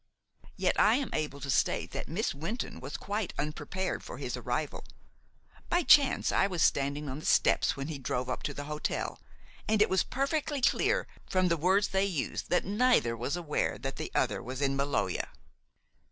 Yet I am able to state that Miss Wynton was quite unprepared for his arrival. By chance I was standing on the steps when he drove up to the hotel, and it was perfectly clear from the words they used that neither was aware that the other was in Maloja."